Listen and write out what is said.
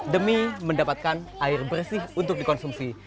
demi mendapatkan air bersih untuk dikonsumsi